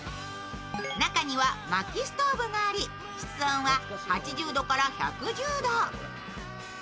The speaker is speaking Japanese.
中にはまきストーブがあり室温は８０度から１１０度。